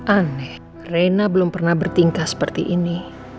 aneh reina belum pernah bertingkah seperti ini